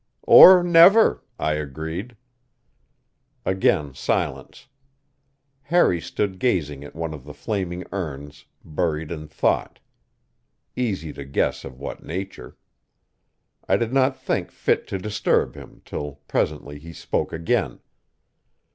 "Or never," I agreed. Again silence. Harry stood gazing at one of the flaming urns, buried in thought easy to guess of what nature. I did not think fit to disturb him, till presently he spoke again.